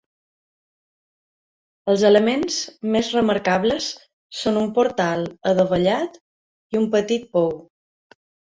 Els elements més remarcables són un portal adovellat i un petit pou.